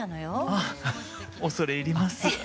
あ恐れ入りますぅ。